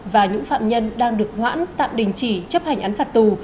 và những phạm nhân đang được hoãn tạm đình chỉ chấp hành án phạt tù